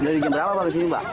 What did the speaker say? dari jam berapa mbak kesini mbak